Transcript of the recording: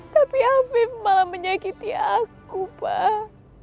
tapi habib malah menyakiti aku pak